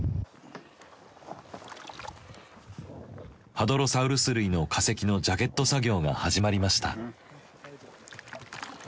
ハドロサウルス類の化石のジャケット作業が始まりました。